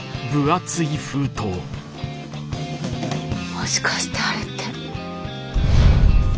もしかしてあれって。